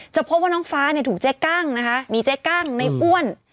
พบว่าน้องฟ้าถูกเจ๊กั้งนะคะมีเจ๊กั้งในอ้วน